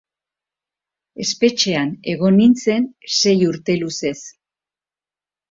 Espetxean egon nintzen sei urte luzez.